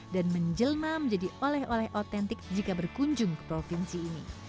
dan menjelma menjadi oleh oleh otentik jika berkunjung ke provinsi ini